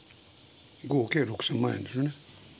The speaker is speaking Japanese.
合計６０００万円ですね。